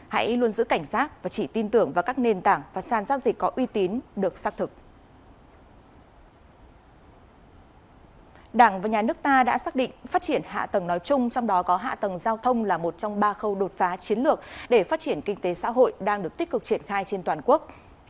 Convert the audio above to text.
hãy luôn giữ cảnh giác và chỉ tin tưởng vào các nền tảng và sàn giao dịch có uy tín được xác thực